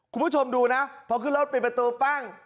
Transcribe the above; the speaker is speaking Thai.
คุณผู้ชมดูนะพอขึ้นรถปิดประตูปั้ง